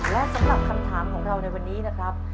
และสำหรับคำถามของเราในวันนี้นะครับ